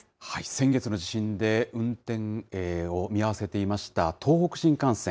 先月の地震で、運転を見合わせていました、東北新幹線。